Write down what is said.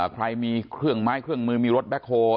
ใครมีเครื่องไม้เครื่องมือมีรถแบ็คโฮล